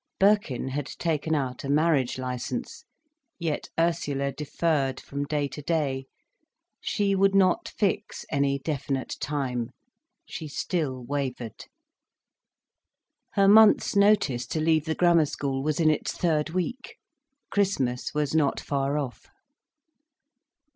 Birkin had taken out a marriage licence, yet Ursula deferred from day to day. She would not fix any definite time—she still wavered. Her month's notice to leave the Grammar School was in its third week. Christmas was not far off.